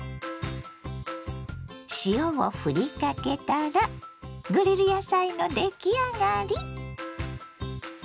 塩をふりかけたらグリル野菜の出来上がり。